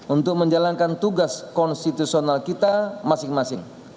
untuk menjalankan tugas konstitusional kita masing masing